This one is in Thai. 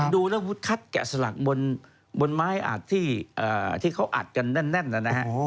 ดูแล้ววุฒิคัดแกะสลักบนไม้อัดที่เขาอัดกันแน่นนะฮะ